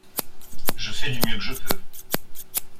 Je fais du mieux que je peux.